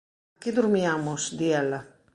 “Aquí durmiamos,” di ela.